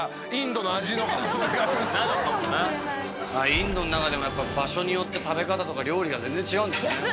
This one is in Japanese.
インドの中でもやっぱ場所によって食べ方とか料理が全然違うんですね。